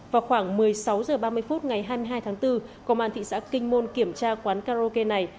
vào khoảng một mươi sáu h ba mươi phút ngày hai mươi hai tháng bốn công an thị xã kinh môn kiểm tra quán karaoke này